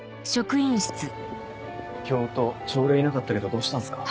教頭朝礼いなかったけどどうしたんすか？